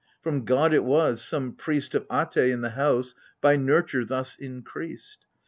From God it was— some priest Of At^, in the house, by nurture thus increased.